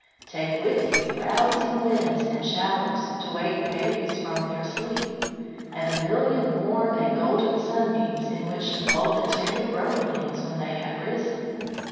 Take with you rousing winds and showers, to wake the babies from their sleep, and a million warm and golden sunbeams in which to fold the tender growing things when they have risen."